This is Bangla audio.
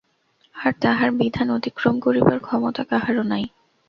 আর তাঁহার বিধান অতিক্রম করিবার ক্ষমতা কাহারও নাই।